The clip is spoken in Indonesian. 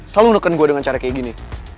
selalu menekan gue dengan cara kayak gini